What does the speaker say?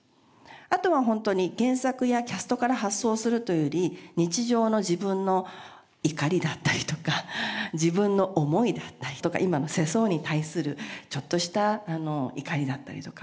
あとは本当に原作やキャストから発想するというより日常の自分の怒りだったりとか自分の思いだったりとか今の世相に対するちょっとした怒りだったりとか。